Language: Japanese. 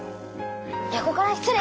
横から失礼！